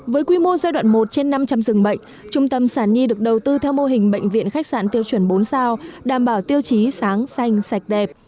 với quy mô giai đoạn một trên năm trăm linh rừng bệnh trung tâm sản nhi được đầu tư theo mô hình bệnh viện khách sạn tiêu chuẩn bốn sao đảm bảo tiêu chí sáng xanh sạch đẹp